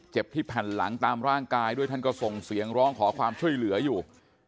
ที่แผ่นหลังตามร่างกายด้วยท่านก็ส่งเสียงร้องขอความช่วยเหลืออยู่